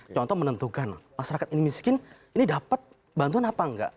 contoh menentukan masyarakat ini miskin ini dapat bantuan apa enggak